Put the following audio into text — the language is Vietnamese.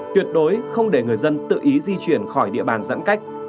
tuyệt đối không để người dân tự ý di chuyển khỏi địa bàn giãn cách